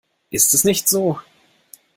Ist es nicht so?